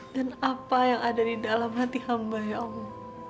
apa yang ada di dalam hati hamba ya allah